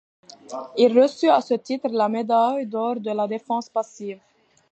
Il reçut à ce titre la Médaille d'Or de la Défense Passive.